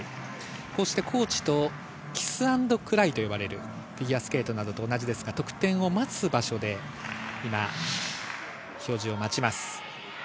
コーチとキスアンドクライと呼ばれるフィギュアスケートなどと同じですが、得点を待つ場所で、表示を待ちます。